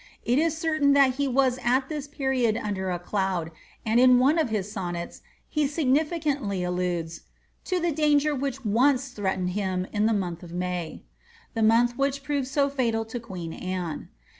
It is certain tluu he was at this period under a cloud ; and in one of his sonnets, he signifi cantly alludes ^^ to the danger which once threatened him in the month of May," — the month which proved so fatal to queen Anne.